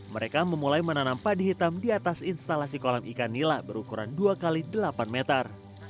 mereka memulai menanam padi hitam di atas instalasi kolam ikan nila berukuran dua x delapan meter